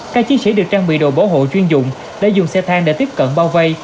các chiến sĩ được trang bị đồ bảo hộ chuyên dụng để dùng xe thang để tiếp cận bao vây